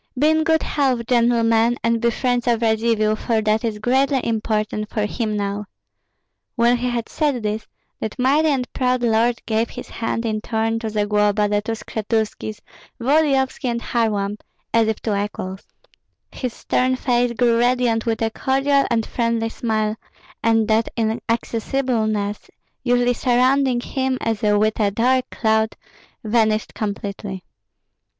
Be in good health, gentlemen, and be friends of Radzivill, for that is greatly important for him now." When he had said this, that mighty and proud lord gave his hand in turn to Zagloba, the two Skshetuskis, Volodyovski, and Kharlamp, as if to equals. His stern face grew radiant with a cordial and friendly smile, and that inaccessibleness usually surrounding him as with a dark cloud vanished completely.